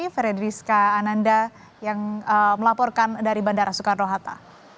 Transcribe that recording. ferdriska ananda yang melaporkan dari bandara soekarno hatta